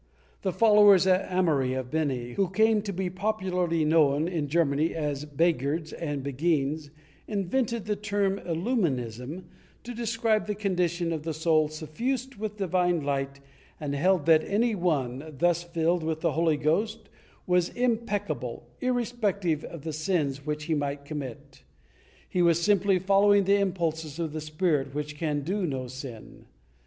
The followers of Amaury of Bene, who came to be popularly known in Germany as Begghards and Begui nes, invented the term Illuminism to describe the condition of the soul suffused with divine light and held that any one, thus filled with the Holy Ghost, was impeccable, irrespective of the sins which he might commit; he was simply following the impulses of the Spirit which can do no sin.